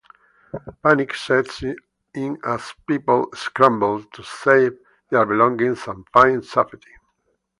Panic set in as people scrambled to save their belongings and find safety.